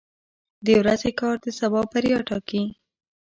• د ورځې کار د سبا بریا ټاکي.